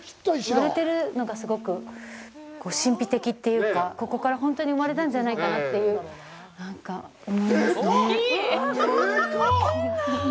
割れてるのがすごく神秘的というかここから本当に生まれたんじゃないかなって思いますね。